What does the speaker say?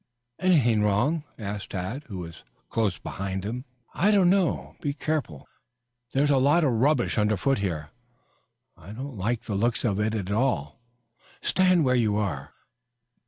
"Anything wrong?" asked Tad, who was close behind him. "I don't know. Be careful. There's a lot of rubbish under foot ahead. I don't like the looks of it at all. Stand where you are."